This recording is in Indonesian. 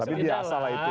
tapi biasa lah itu